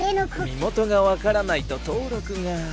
身元がわからないと登録が。